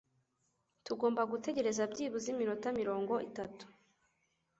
Tugomba gutegereza byibuze iminota mirongo itatu.